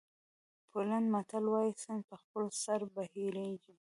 پولنډي متل وایي سیند په خپل سر بهېږي.